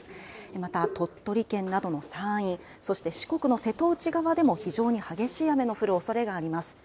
また鳥取県などの山陰、そして四国の瀬戸内側でも非常に激しい雨の降るおそれがあります。